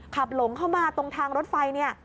หลงเข้ามาตรงทางรถไฟเนี่ย